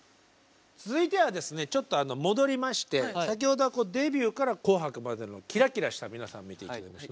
続いてはですねちょっとあの戻りまして先ほどはデビューから「紅白」までのキラキラした皆さん見てきました。